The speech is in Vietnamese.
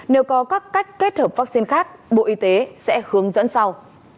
nếu có các cách kết hợp vaccine khác bộ y tế sẽ hướng dẫn sau